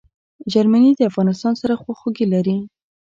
جرمني د افغانستان سره خواخوږي لري.